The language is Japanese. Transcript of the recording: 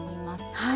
はい。